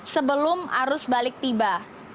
sebelum arus balik tiba